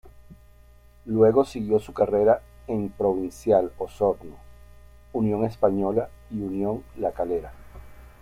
Luego siguió su carrera en Provincial Osorno, Unión Española y Unión La Calera.